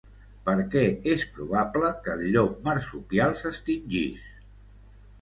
Per què és probable que el llop marsupial s'extingís?